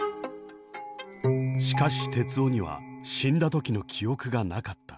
しかし徹生には死んだ時の記憶がなかった。